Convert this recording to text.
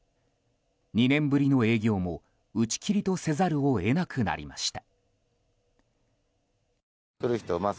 ２年ぶりの営業も打ち切りとせざるを得なくなりました。